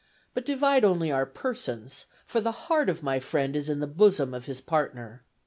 but divide only our persons, for the heart of my friend is in the bosom of his partner.